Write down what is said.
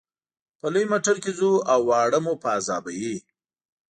په لوی موټر کې ځو او واړه مو په عذابوي.